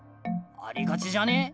ありがちじゃね？